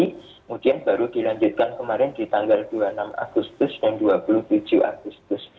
kemudian baru dilanjutkan kemarin di tanggal dua puluh enam agustus dan dua puluh tujuh agustus